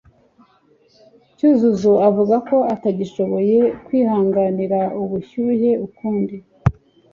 Cyuzuzo avuga ko atagishoboye kwihanganira ubushyuhe ukundi.